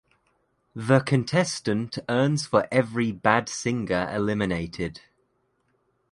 The contestant earns for every bad singer eliminated.